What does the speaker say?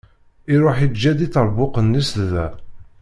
Iruḥ iǧǧa-d iṭerbuqen-is da.